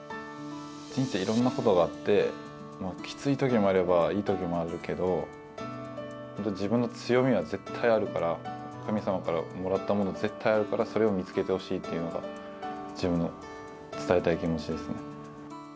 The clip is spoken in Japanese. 人生いろんなことがあって、きついときもあれば、いいときもあるけど、自分の強みは絶対あるから、神様からもらったもの、絶対あるから、それを見つけてほしいっていうのが、自分の伝えたい気持ちですね。